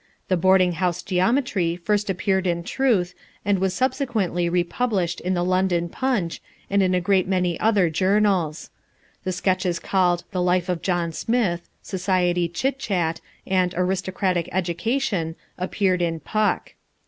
The "Boarding House Geometry" first appeared in Truth, and was subsequently republished in the London Punch, and in a great many other journals. The sketches called the "Life of John Smith," "Society Chit Chat," and "Aristocratic Education" appeared in Puck.